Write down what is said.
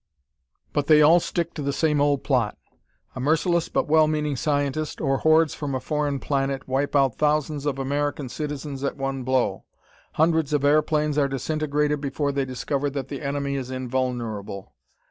But they all stick to the same old plot. A merciless but well meaning scientist, or hordes from a foreign planet, wipe out thousands of American citizens at one blow. Hundreds of airplanes are disintegrated before they discover that the enemy is invulnerable.